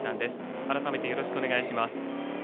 改めてましてお願いします。